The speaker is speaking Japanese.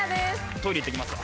トイレ行って来ますわ。